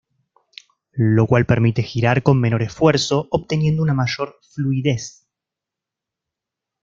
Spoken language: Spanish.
Lo cual permite girar con menor esfuerzo obteniendo una mayor fluidez.